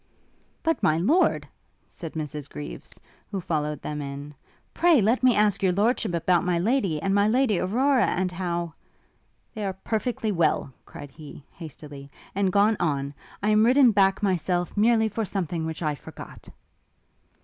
'But, My Lord,' said Mrs Greaves, who followed them in, 'pray let me ask Your Lordship about my Lady, and My Lady Aurora, and how ' 'They are perfectly well,' cried he, hastily, 'and gone on. I am ridden back myself merely for something which I forgot.'